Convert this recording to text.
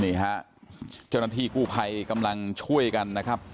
นี่ฮะเจ้าหน้าที่กู้ภัยกำลังช่วยกันนะครับ